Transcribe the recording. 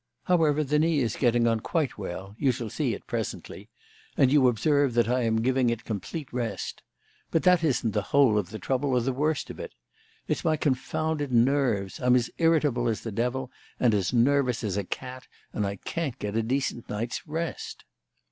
However, the knee is getting on quite well you shall see it presently and you observe that I am giving it complete rest. But that isn't the whole of the trouble or the worst of it. It's my confounded nerves. I'm as irritable as the devil and as nervous as a cat, and I can't get a decent night's rest."